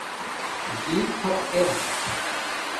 جِیی فت ار